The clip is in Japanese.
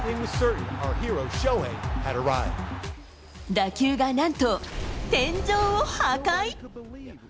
打球がなんと、天井を破壊。